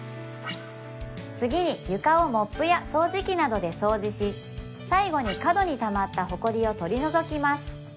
次に床をモップや掃除機などで掃除し最後に角にたまったホコリを取り除きます